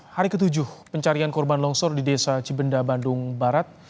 hari ketujuh pencarian korban longsor di desa cibenda bandung barat